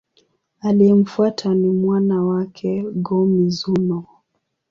Aliyemfuata ni mwana wake, Go-Mizunoo.